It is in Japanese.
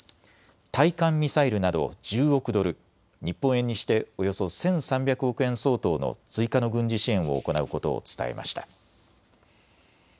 対艦ミサイルなど１０億ドル、日本円にしておよそ１３００億円相当の追加の軍事支援を行うことを伝えました。